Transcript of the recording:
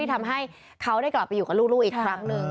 ทำให้เขาได้กลับไปอยู่กับลูกอีกครั้งหนึ่ง